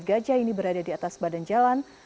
gajah ini berada di atas badan jalan